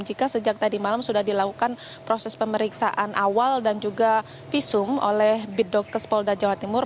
jika sejak tadi malam sudah dilakukan proses pemeriksaan awal dan juga visum oleh bidokkes polda jawa timur